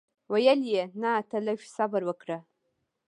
ویل یې نه ته لږ صبر وکړه.